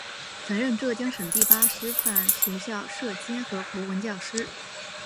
曾任浙江省第八师范学校舍监和国文教师。